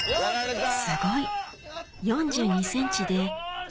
すごい！